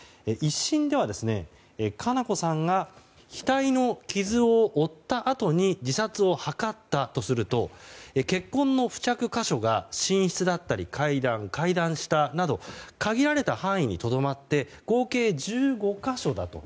１審では佳菜子さんが額の傷を負ったあとに自殺を図ったとすると血痕の付着箇所が寝室だったり階段、階段下など限られた範囲にとどまって合計１５か所だと。